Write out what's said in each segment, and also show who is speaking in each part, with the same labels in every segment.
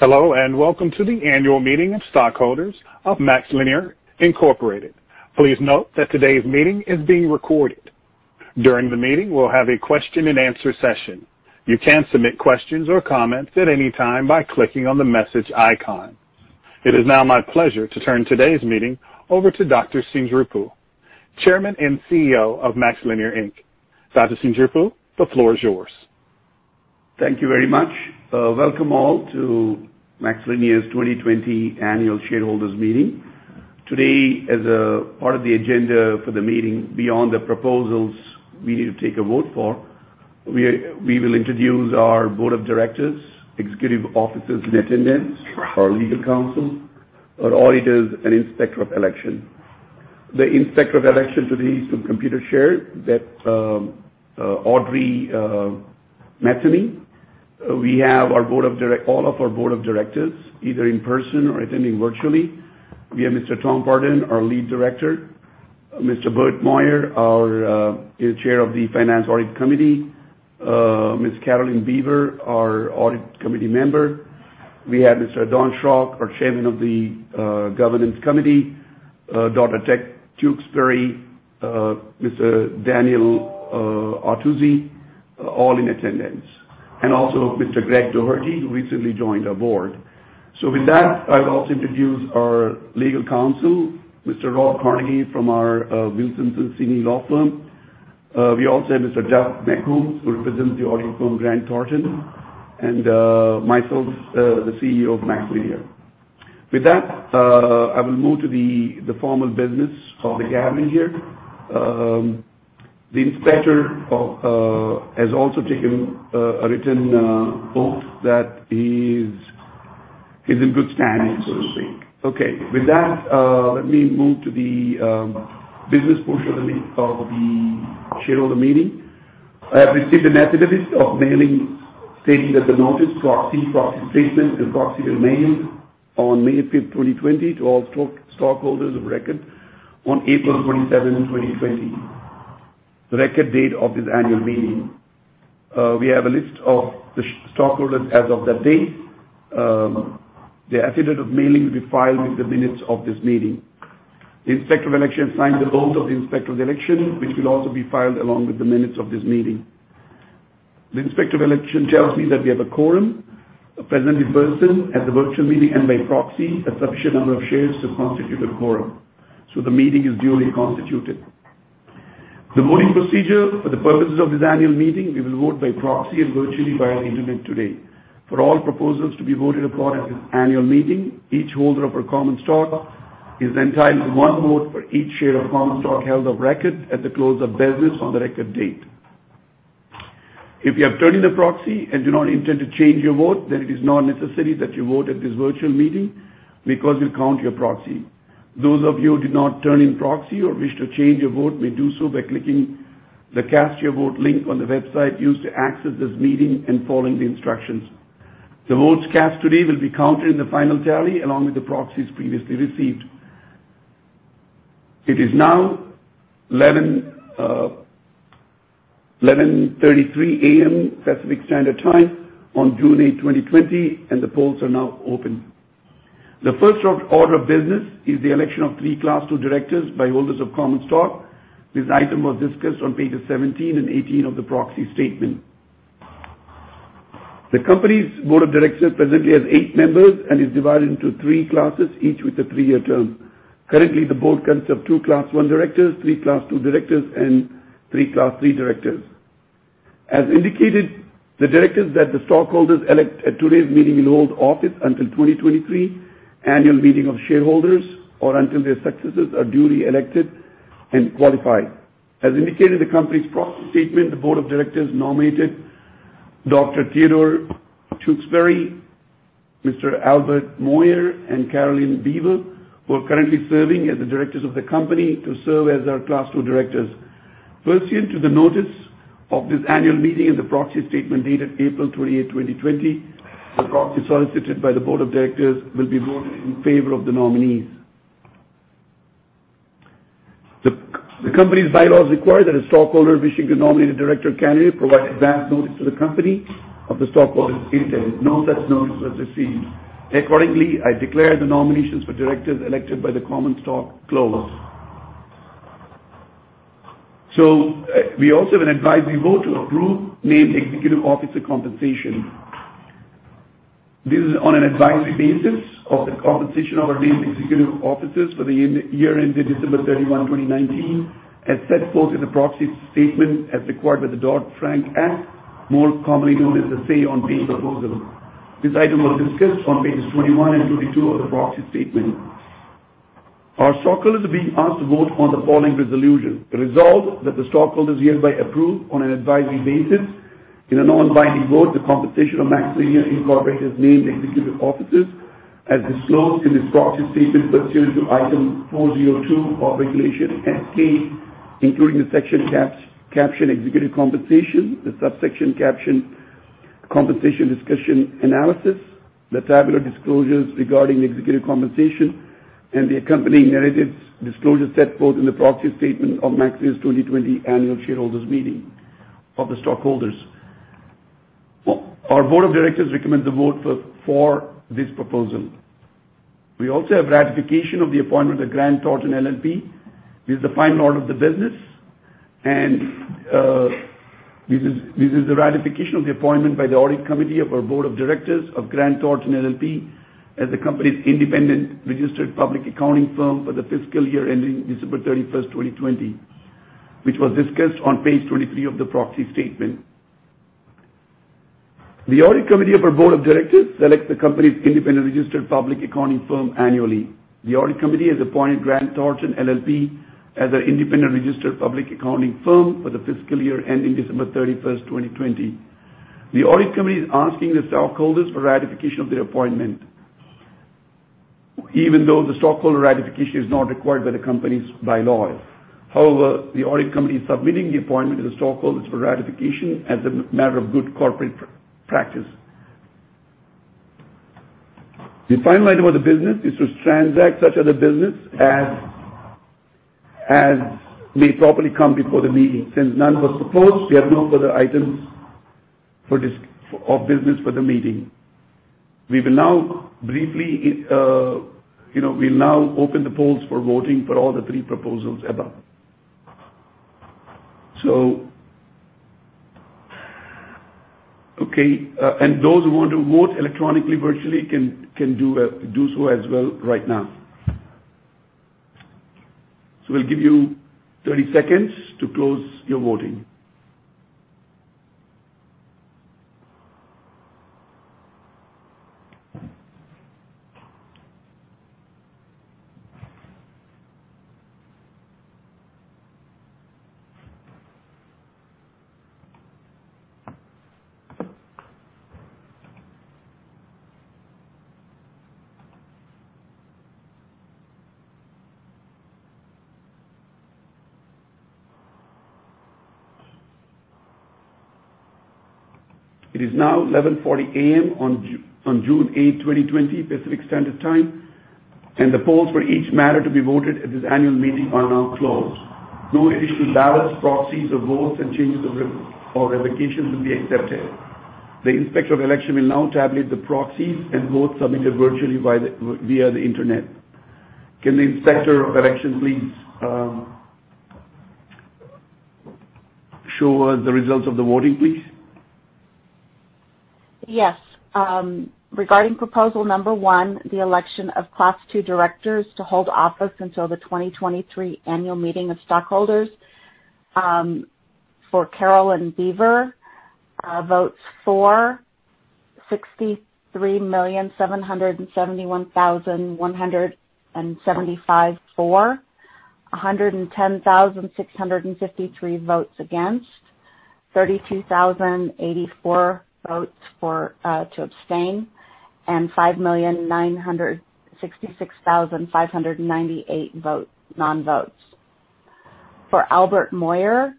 Speaker 1: Hello, and welcome to the annual meeting of stockholders of MaxLinear Incorporated. Please note that today's meeting is being recorded. During the meeting, we'll have a question-and-answer session. You can submit questions or comments at any time by clicking on the message icon. It is now my pleasure to turn today's meeting over to Dr. Seendripu, Chairman and CEO of MaxLinear, Inc. Dr. Seendripu, the floor is yours.
Speaker 2: Thank you very much. Welcome all to MaxLinear's 2020 annual shareholders meeting. Today, as a part of the agenda for the meeting, beyond the proposals we need to take a vote for, we will introduce our Board of Directors, executive officers in attendance, our legal counsel, our auditors, and inspector of election. The inspector of election today is from Computershare, that's Audrey Matheny. We have all of our Board of Directors, either in person or attending virtually. We have Mr. Tom Barton, our Lead Director, Mr. Bert Moyer, our Chair of the Audit Committee, Ms. Carolyn Beaver, our Audit Committee Member. We have Mr. Don Schrock, our Chairman of the Governance Committee, Dr. Ted Tewksbury, Mr. Daniel Artuzzi, all in attendance. Also, Mr. Greg Dougherty, who recently joined our board. With that, I'll also introduce our legal counsel, Mr. Rob Kornegay from our Wilson Sonsini law firm. We also have Mr. Jeff McComb, who represents the audit firm Grant Thornton, and myself, the CEO of MaxLinear. With that, I will move to the formal business of the gathering here. The inspector has also taken a written vote that he's in good standing, so to speak. Okay. With that, let me move to the business portion of the shareholder meeting. I have received an affidavit of mailing stating that the notice, proxy statement, and proxy were mailed on May 5, 2020 to all stockholders of record on April 27, 2020, the record date of this annual meeting. We have a list of the stockholders as of that day. The affidavit of mailing will be filed with the minutes of this meeting. The inspector of election signed the vote of the inspector of the election, which will also be filed along with the minutes of this meeting. The inspector of election tells me that we have a quorum, present in person at the virtual meeting and by proxy, a sufficient number of shares to constitute a quorum. The meeting is duly constituted. The voting procedure for the purposes of this annual meeting, we will vote by proxy and virtually via the Internet today. For all proposals to be voted upon at this annual meeting, each holder of our common stock is entitled to one vote for each share of common stock held of record at the close of business on the record date. If you have turned in a proxy and do not intend to change your vote, it is not necessary that you vote at this virtual meeting because we'll count your proxy. Those of you who did not turn in proxy or wish to change your vote may do so by clicking the Cast Your Vote link on the website used to access this meeting and following the instructions. The votes cast today will be counted in the final tally along with the proxies previously received. It is now 11:33 A.M. Pacific Standard Time on June 8, 2020, and the polls are now open. The first order of business is the election of three Class II directors by holders of common stock. This item was discussed on pages 17 and 18 of the proxy statement. The company's Board of Directors presently has eight members and is divided into three classes, each with a three-year term. Currently, the Board consists of two Class I directors, three Class II directors, and three Class III directors. As indicated, the directors that the stockholders elect at today's meeting will hold office until 2023 Annual Meeting of Shareholders, or until their successors are duly elected and qualified. As indicated in the company's Proxy Statement, the Board of Directors nominated Dr. Theodore Tewksbury, Mr. Albert Moyer, and Carolyn Beaver, who are currently serving as the directors of the company to serve as our Class II directors. Pursuant to the notice of this Annual Meeting and the Proxy Statement dated April 28, 2020, the proxy solicited by the Board of Directors will be voted in favor of the nominees. The company's bylaws require that a stockholder wishing to nominate a director candidate provide advance notice to the company of the stockholder's intent. No such notice was received. Accordingly, I declare the nominations for directors elected by the common stock closed. We also have an advisory vote to approve named executive officer compensation. This is on an advisory basis of the compensation of our named executive officers for the year ended December 31, 2019, as set forth in the proxy statement as required by the Dodd-Frank Act, more commonly known as the Say on Pay proposal. This item was discussed on pages 21 and 22 of the proxy statement. Our stockholders are being asked to vote on the following resolution. Resolved, that the stockholders hereby approve on an advisory basis in a non-binding vote the compensation of MaxLinear, Inc.'s named executive officers as disclosed in this proxy statement pursuant to Item 402 of Regulation S-K, including the section caption Executive Compensation, the subsection caption Compensation Discussion and Analysis, the tabular disclosures regarding executive compensation and the accompanying narrative disclosures set forth in the proxy statement of MaxLinear's 2020 annual shareholders meeting. Of the stockholders. Our board of directors recommend the vote for this proposal. We also have ratification of the appointment of Grant Thornton LLP. This is the final order of the business, and this is the ratification of the appointment by the Audit Committee of our board of directors of Grant Thornton LLP as the company's independent registered public accounting firm for the fiscal year ending December 31st, 2020, which was discussed on page 23 of the proxy statement. The audit committee of our board of directors selects the company's independent registered public accounting firm annually. The audit committee has appointed Grant Thornton LLP as our independent registered public accounting firm for the fiscal year ending December 31st, 2020. The audit committee is asking the stockholders for ratification of their appointment. Even though the stockholder ratification is not required by the company's bylaws. However, the audit committee is submitting the appointment to the stockholders for ratification as a matter of good corporate practice. The final item of the business is to transact such other business as may properly come before the meeting. Since none was proposed, we have no further items of business for the meeting. We will now open the polls for voting for all the three proposals above. Okay. Those who want to vote electronically virtually can do so as well right now. We'll give you 30 seconds to close your voting. It is now 11:40 A.M. on June 8, 2020, Pacific Standard Time, and the polls for each matter to be voted at this annual meeting are now closed. No additional ballots, proxies, or votes, and changes or revocations will be accepted. The inspector of election will now tabulate the proxies and votes submitted virtually via the Internet. Can the inspector of election please show us the results of the voting, please?
Speaker 3: Yes. Regarding proposal number one, the election of class two directors to hold office until the 2023 annual meeting of stockholders. For Carolyn Beaver, votes for, 63,771,175. 110,653 votes against. 32,084 votes to abstain, and 5,966,598 non-votes. For Albert Moyer,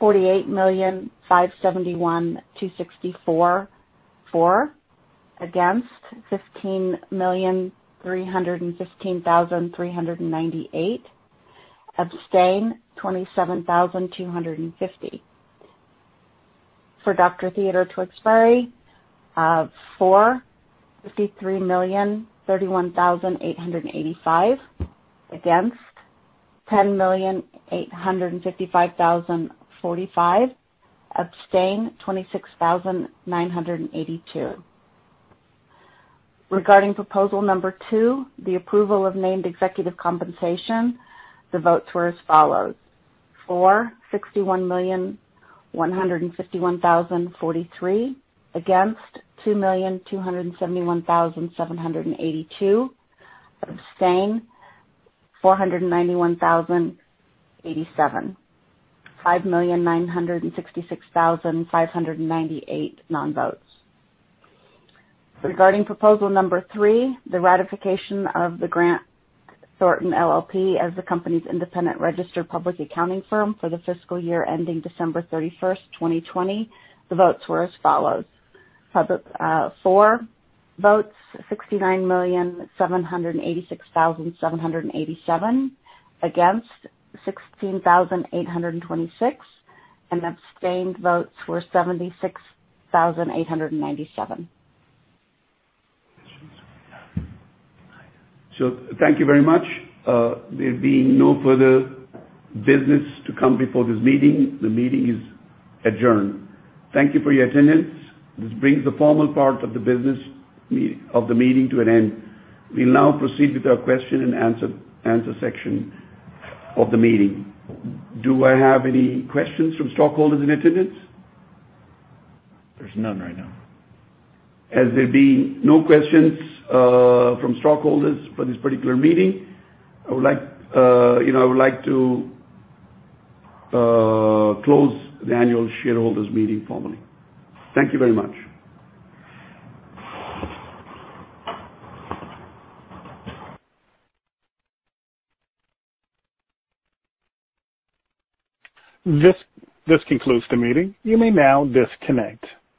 Speaker 3: 48,571,264 for. Against, 15,315,398. Abstain, 27,250. For Dr. Theodore Tewksbury, for, 53,031,885. Against, 10,855,045. Abstain, 26,982. Regarding proposal number two, the approval of named executive compensation, the votes were as follows. For, 61,151,043. Against, 2,271,782. Abstain, 491,087. 5,966,598 non-votes. Regarding proposal number three, the ratification of the Grant Thornton LLP as the company's independent registered public accounting firm for the fiscal year ending December 31, 2020, the votes were as follows. For votes, 69,786,787. Against, 16,826. Abstained votes were 76,897.
Speaker 2: Thank you very much. There being no further business to come before this meeting, the meeting is adjourned. Thank you for your attendance. This brings the formal part of the business of the meeting to an end. We now proceed with our question-and-answer section of the meeting. Do I have any questions from stockholders in attendance?
Speaker 1: There's none right now.
Speaker 2: As there being no questions from stockholders for this particular meeting, I would like to close the annual shareholders meeting formally. Thank you very much.
Speaker 1: This concludes the meeting. You may now disconnect.